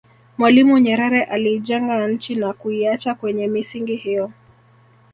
mwalimu nyerere aliijenga nchi na kuiacha kwenye misingi hiyo